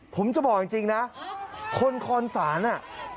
ผมจะบอกจริงนะคนคอนศาลน่ะ